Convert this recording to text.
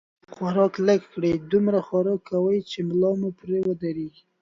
خوراک لږ کړئ، دومره خوراک کوئ، چې ملا مو پرې ودرېږي